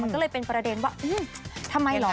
มันก็เลยเป็นประเด็นว่าทำไมเหรอ